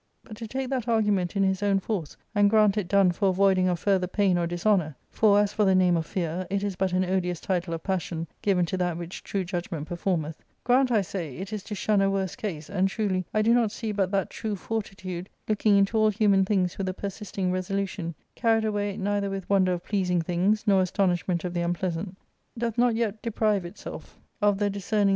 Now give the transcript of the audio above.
But to take that argument in his own force, and grant it done for avoiding of further pain or dishonour — for, as for the name of fear, it is but an odious title of passion given to that which true judgment performeth — ^grant, I say, it is to shun a worse case, and truly I do not see but that true fortitude, looking into all human things with a persisting resolution, carried away neither with wonder of pleasing things nor astonishment of the unpleasant, doth not yet deprive itself of the discerning 430 ARCADIA.